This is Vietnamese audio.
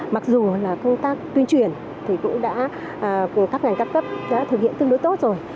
mặc dù là công tác tuyên truyền thì cũng đã công tác ngành cấp cấp đã thực hiện tương đối tốt rồi